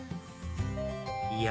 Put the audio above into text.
いや